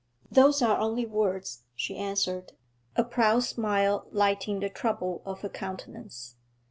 'Those are only words,' she answered, a proud smile lighting the trouble of her countenance.